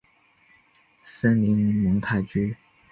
森林蒙泰居。